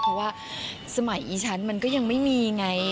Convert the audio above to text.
เพราะว่าสมัยอีฉันมันก็ยังไม่มีไง